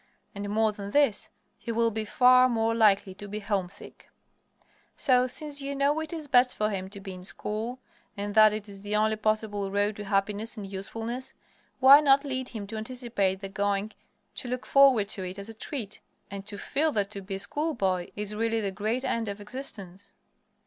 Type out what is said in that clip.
And, more than this, he will be far more likely to be homesick. So, since you know it is best for him to be in school, and that it is the only possible road to happiness and usefulness, why not lead him to anticipate the going; to look forward to it as a treat, and to feel that to be a schoolboy is really the great end of existence?